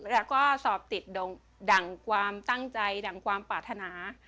แล้วก็สอบติดดั่งความตั้งใจดั่งความปรารถนา